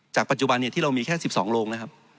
จากปัจจุบันที่เรามีแค่๑๒โลง